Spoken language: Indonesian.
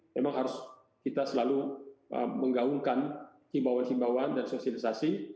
memang harus kita selalu menggaungkan himbawan himbawan dan sosialisasi